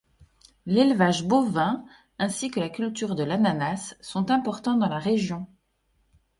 L’élevage bovin, ainsi que la culture de l’ananas, sont importants dans la région.